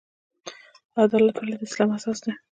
عدالت ولې د اسلام اساس دی؟